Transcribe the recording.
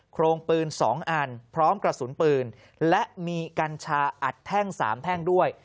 โครงปืน๒อันพร้อมกระสุนปืนและมีกัญชาอัดแท่ง๓แท่งด้วย